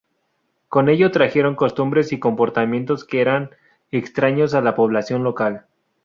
Con ellos trajeron costumbres y comportamientos que eran extraños a la población local.